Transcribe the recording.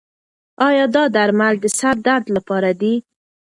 ایا دا درمل د سر درد لپاره دي؟